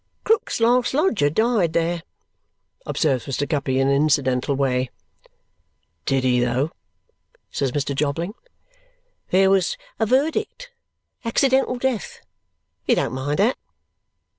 "Krook's last lodger died there," observes Mr. Guppy in an incidental way. "Did he though!" says Mr. Jobling. "There was a verdict. Accidental death. You don't mind that?"